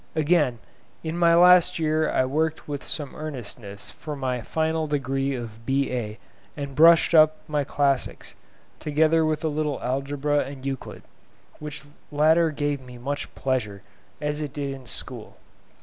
Again, in my last year I worked with some earnestness for my final degree of B.A., and brushed up my Classics, together with a little Algebra and Euclid, which latter gave me much pleasure, as it did at school.